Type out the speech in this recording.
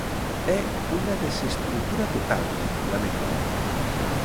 É unha desestrutura total, lamenta.